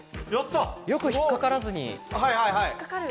よく引っかからずに。